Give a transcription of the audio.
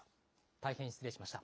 大変失礼しました。